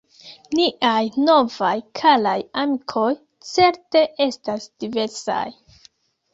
Niaj novaj karaj amikoj certe estas diversaj.